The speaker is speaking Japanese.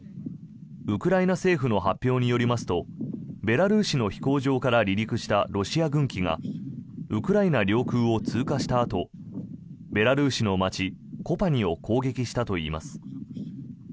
ウクライナ政府の発表によりますとベラルーシの飛行場から離陸したロシア軍機がウクライナ領空を通過したあとベラルーシの街コパニを攻撃したといいます。